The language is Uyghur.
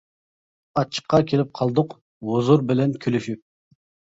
ئاچچىققا كېلىپ قالدۇق، ھۇزۇر بىلەن كۈلۈشۈپ.